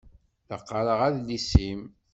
La qqaṛeɣ adlis-im.